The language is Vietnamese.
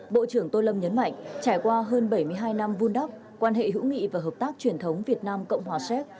bộ trưởng tô lâm nhấn mạnh trải qua hơn bảy mươi hai năm vun đắp quan hệ hữu nghị và hợp tác truyền thống việt nam cộng hòa séc